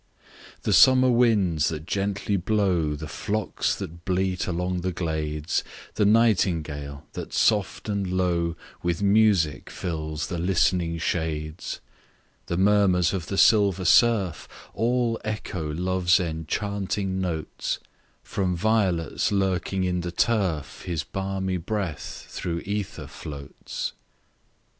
II. The summer winds that gently blow, The flocks that bleat along the glades, The nightingale, that soft and low, With music fills the listening shades: The murmurs of the silver surf All echo Love's enchanting notes, From violets lurking in the turf, His balmy breath through ether floats.